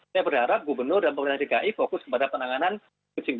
saya berharap gubernur dan pemerintah dki fokus kepada penanganan covid sembilan belas